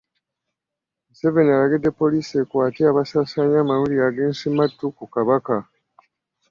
Museveni alagidde poliisi ekwate abasaasaanya amawulire ag'ensimattu ku Kabaka